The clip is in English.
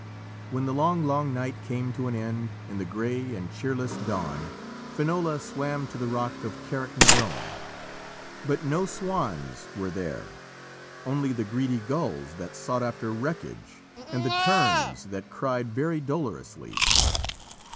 When the long, long night came to an end, in the grey and cheerless dawn Finola swam to the rock of Carricknarone. But no swans were there, only the greedy gulls that sought after wreckage, and the terns that cried very dolorously.